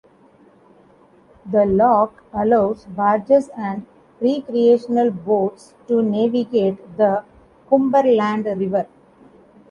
The lock allows barges and recreational boats to navigate the Cumberland River.